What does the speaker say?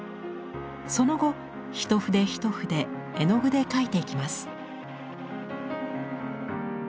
その後一筆一筆絵の具で描いていきます。